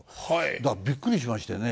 だからびっくりしましてね。